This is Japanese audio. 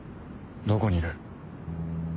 どこにいる？